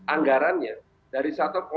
anggarannya dari satu satu